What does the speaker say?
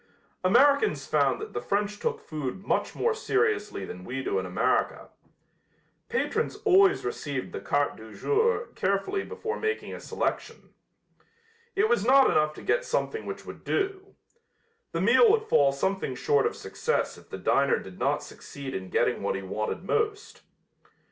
Americans found that the French took food much more seriously than we do in America. Patrons always reviewed the carte du jour carefully before making a selection. It was not enough to get something which would do. The meal would fall something short of success if the diner did not succeed in getting what he wanted most.